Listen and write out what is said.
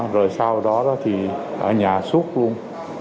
rồi sau đó thì ở nhà suốt luôn